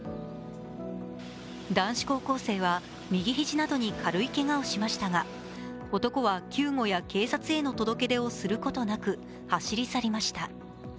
男子高校生は右肘などに軽いけがをしましたが男は救護や警察への届け出をすることなく走り去りました。